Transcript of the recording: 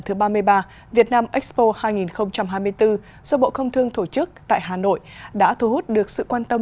thứ ba mươi ba việt nam expo hai nghìn hai mươi bốn do bộ công thương thổ chức tại hà nội đã thu hút được sự quan tâm